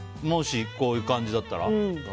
もしこういう感じだったら。